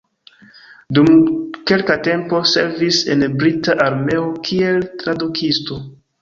Dum kelka tempo servis en brita armeo kiel tradukisto.